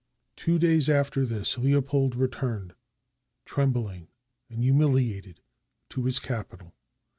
Two days after this, Leopold returned, trembling and humiliated, to his capital.